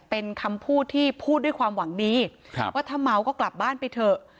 เป็นคำพูดที่พูดด้วยความหวังดีว่าถ้าเมาก็กลับบ้านไปเถอะ